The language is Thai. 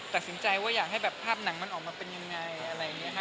ตัดสินใจว่าอยากให้แบบภาพหนังมันออกมาเป็นยังไงอะไรอย่างนี้ค่ะ